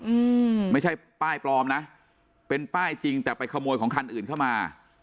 อืมไม่ใช่ป้ายปลอมนะเป็นป้ายจริงแต่ไปขโมยของคันอื่นเข้ามา